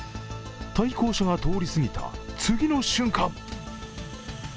対向車が通りすぎた次の瞬間